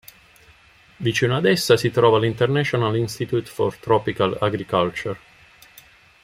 Vicino ad essa si trova l"'International Institute for Tropical Agriculture".